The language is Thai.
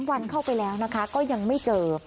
วันเข้าไปแล้วนะคะก็ยังไม่เจอ